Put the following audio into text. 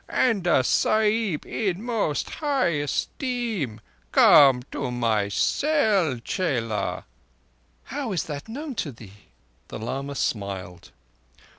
And a Sahib in most high esteem. Come to my cell, chela." "How is that known to thee?" The lama smiled.